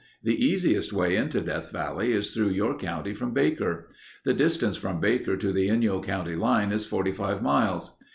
The easiest way into Death Valley is through your county from Baker. The distance from Baker to the Inyo county line is 45 miles.